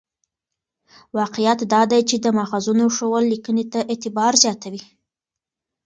واقعیت دا دی چې د ماخذونو ښوول لیکنې ته اعتبار زیاتوي.